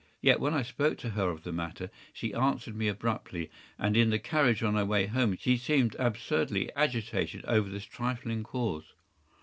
Yet, when I spoke to her of the matter, she answered me abruptly; and in the carriage, on our way home, she seemed absurdly agitated over this trifling cause.